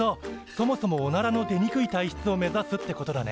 そもそもおならの出にくい体質を目指すってことだね。